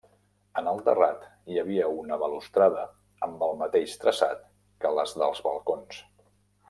En el terrat hi havia una balustrada amb el mateix traçat que les dels balcons.